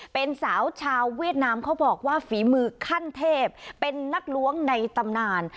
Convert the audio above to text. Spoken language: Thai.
เป็นสาวชาวเวียดนามเขาบอกว่าฝีมือขั้นเทพเป็นนักล้วงในตำนาน